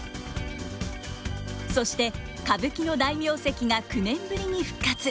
そして歌舞伎の大名跡が９年ぶりに復活！